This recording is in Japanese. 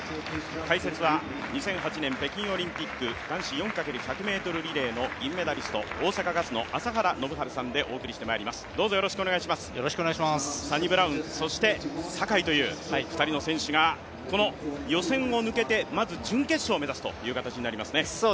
解説は２００８年、北京オリンピック男子４×１００ｍリレーの銀メダリスト、大阪ガスの朝原宣治さんでお送りしてまいりますサニブラウン、そして坂井という２人の選手がこの予選を抜けてまず、準決勝を目指すという形になります。